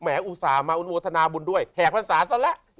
แหมอุตสาห์มาอุณวธนาบุญด้วยแหกพันธ์ศาสตร์ซะละ